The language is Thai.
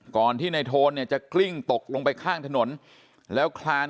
ก่อนที่ในโทนเนี่ยจะกลิ้งตกลงไปข้างถนนแล้วคลาน